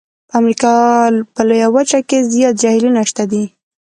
په امریکا په لویه وچه کې زیات جهیلونه شته دي.